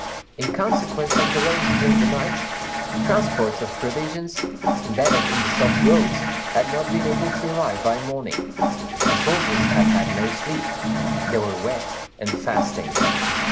In consequence of the rains during the night, the transports of provisions, embedded in the soft roads, had not been able to arrive by morning; the soldiers had had no sleep; they were wet and fasting.